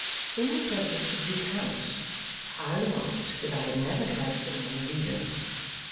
In the Preface to Bleak House I remarked that I had never had so many readers.